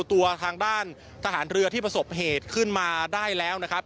ตัวทางด้านทหารเรือที่ประสบเหตุขึ้นมาได้แล้วนะครับ